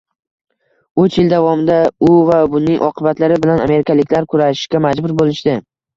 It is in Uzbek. Uch yil davomida u va Buning oqibatlari bilan amerikaliklar kurashishga majbur bo'lishdi